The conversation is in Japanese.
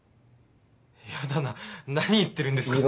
やだな何言ってるんですか。